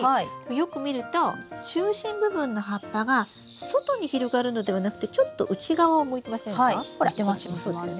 よく見ると中心部分の葉っぱが外に広がるのではなくてちょっと内側を向いてませんか？